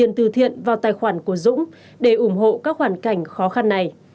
trần văn dũng đã đăng tải lên các tài khoản của dũng để ủng hộ các hoàn cảnh khó khăn này